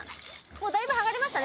もうだいぶはがれました？